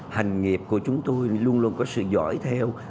hành nghiệp của chúng tôi luôn luôn có sự giỏi theo